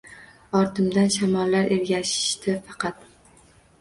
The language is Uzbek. Ortimdan shamollar ergashdi faqat.